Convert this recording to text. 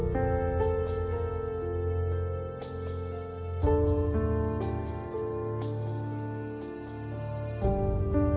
โปรดติดตามต่อไป